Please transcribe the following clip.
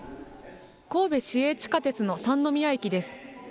神戸市営地下鉄の三宮駅です。